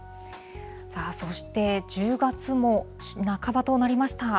そして、１０月も半ばとなりました。